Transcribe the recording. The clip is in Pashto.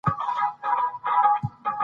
موږ د یو سوکاله افغانستان په هیله یو.